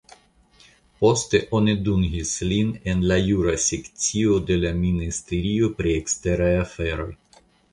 Poste oni dungis lin en la jura sekcio de la ministerio pri eksteraj aferoj.